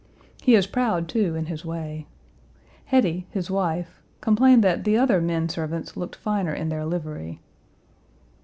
He is proud, too, in his way. Hetty, his wife, complained that the other men servants looked finer in their livery.